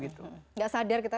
tidak sadar kita